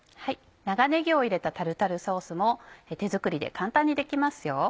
長ねぎを入れたタルタルソースも手作りで簡単にできますよ。